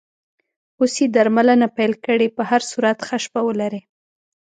اوس یې درملنه پیل کړې، په هر صورت ښه شپه ولرې.